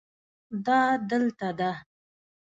دا دلته ده